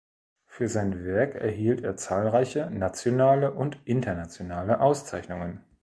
Für sein Werk erhielt er zahlreiche nationale und internationale Auszeichnungen.